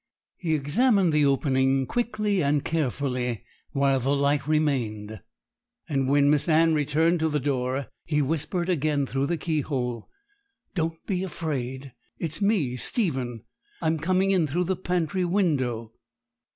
He examined the opening quickly and carefully while the light remained, and when Miss Anne returned to the door he whispered again through the keyhole, 'Don't be afraid. It's me Stephen; I'm coming in through the pantry window.'